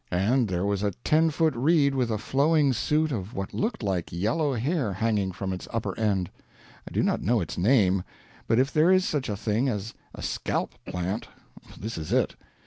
And there was a ten foot reed with a flowing suit of what looked like yellow hair hanging from its upper end. I do not know its name, but if there is such a thing as a scalp plant, this is it.